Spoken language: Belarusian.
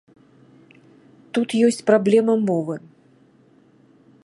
Тут ёсць праблема мовы.